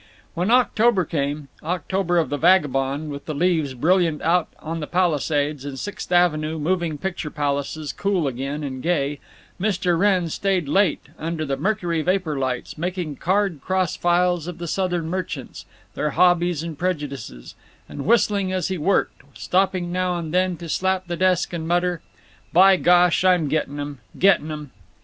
When October came—October of the vagabond, with the leaves brilliant out on the Palisades, and Sixth Avenue moving picture palaces cool again and gay—Mr. Wrenn stayed late, under the mercury vapor lights, making card cross files of the Southern merchants, their hobbies and prejudices, and whistling as he worked, stopping now and then to slap the desk and mutter, "By gosh! I'm gettin' 'em—gettin' 'em."